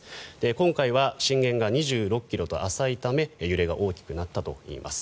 今回は震源が２６ｋｍと浅いため揺れが大きくなったといいます。